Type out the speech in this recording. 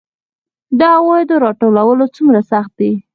د عوایدو راټولول څومره سخت دي؟